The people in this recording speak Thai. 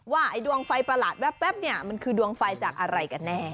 ไอ้ดวงไฟประหลาดแว๊บเนี่ยมันคือดวงไฟจากอะไรกันแน่